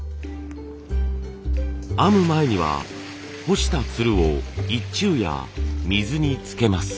編む前には干したつるを一昼夜水につけます。